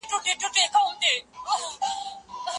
د ټولنپوهني مطالعه د اجتماعي پدیدو په اړه پوهه وړاندې کوي.